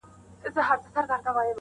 اورنګ زېب هم محتسب وو هم سلطان وو٫